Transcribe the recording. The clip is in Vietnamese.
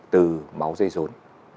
từ máu dây dốn